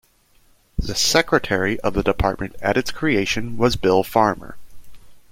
The Secretary of the Department at its creation was Bill Farmer.